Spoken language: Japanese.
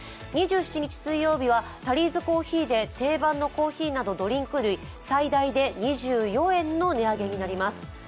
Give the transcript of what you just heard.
２７日水曜日はタリーズコーヒーで定番のコーヒーなどドリンク類最大で２４円の値上げになります。